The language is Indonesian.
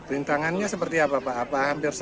rintangannya seperti apa pak